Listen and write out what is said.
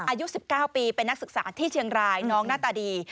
อายุ๑๙ปีเป็นนักศึกษาที่เชียงรายน้องหน้าตาดี